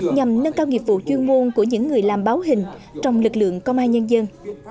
nhằm nâng cao nghiệp vụ chuyên môn của những người làm báo hình trong lực lượng công an nhân dân